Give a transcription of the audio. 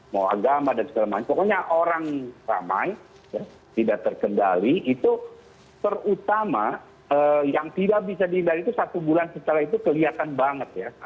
mau agama dan segala macam pokoknya orang ramai tidak terkendali itu terutama yang tidak bisa dihindari itu satu bulan setelah itu kelihatan banget ya